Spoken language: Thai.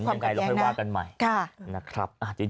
ผลยังไงเราค่อยว่ากันใหม่